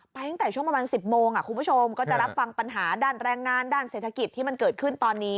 ตั้งแต่ช่วงประมาณ๑๐โมงคุณผู้ชมก็จะรับฟังปัญหาด้านแรงงานด้านเศรษฐกิจที่มันเกิดขึ้นตอนนี้